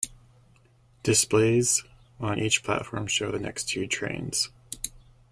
Displays on each platform show the next two trains.